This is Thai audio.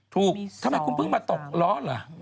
ถูกทำไมคุณเพิ่งมาตกล้อล่ะ